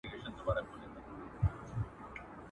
ښايی چي لس تنه اورېدونکي به `